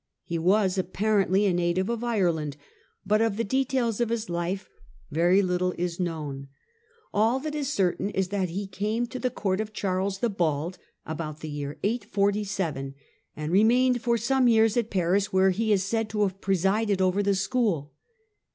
He was apparently a native of Ireland, but of the details of his life very little is known. All that is certain is that he came to the Court of Charles the Bald about the year 847 and re mained for some years at Paris, where he is said to have presided over the school.